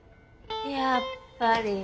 やっぱり。